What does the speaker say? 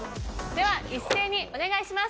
では一斉にお願いします